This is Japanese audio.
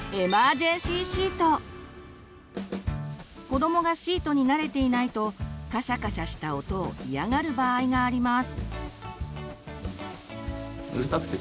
子どもがシートに慣れていないとカシャカシャした音を嫌がる場合があります。